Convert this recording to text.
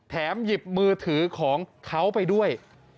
หยิบมือถือของเขาไปด้วย